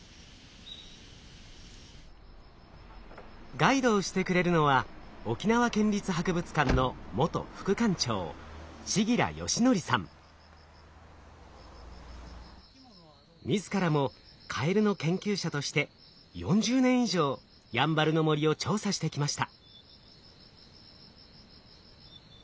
ガイドをしてくれるのは自らもカエルの研究者として４０年以上やんばるの森を調査してきました。